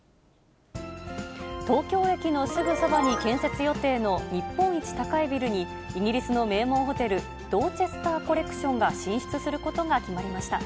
東京駅のすぐそばに建設予定の日本一高いビルに、イギリスの名門ホテル、ドーチェスターコレクションが進出することが決まりました。